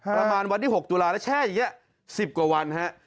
ประมาณวันที่๖ตุลาคมแล้วแช่อีก๑๐กว่าวันครับ